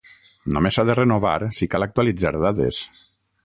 Només s'ha de renovar si cal actualitzar dades.